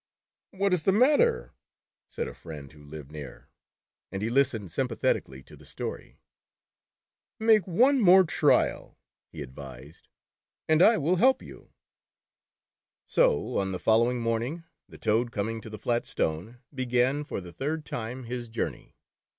"What is the matter?" said a friend who lived near, and he listened sympathetically to the story. " Make one more trial," he advised, " and I will help you." So on the following morning the Toad com ing to the flat stone, began, for the third time, his The Toad Boy. 187 journey.